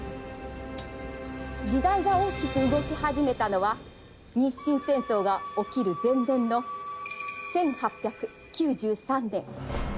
時代が大きく動き始めたのは日清戦争が起きる前年の１８９３年。